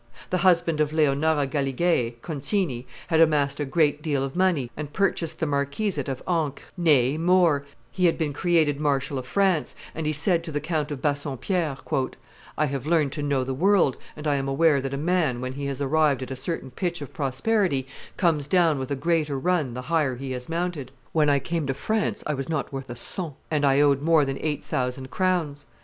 The husband of Leonora Galigai, Concini, had amassed a great deal of money and purchased the Marquisate of Ancre; nay, more, he had been created Marshal of France, and he said to the Count of Bassompiere, "I have learned to know the world, and I am aware that a man, when he has arrived at a certain pitch of prosperity, comes down with a greater run the higher he has mounted. When I came to France, I was not worth a son, and I owed more than eight thousand crowns.